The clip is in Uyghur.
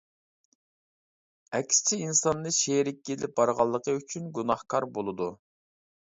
ئەكسىچە ئىنساننى شېرىككە ئېلىپ بارغانلىقى ئۈچۈن گۇناھكار بولىدۇ.